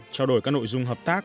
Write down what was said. trao đổi các nội dung hợp tác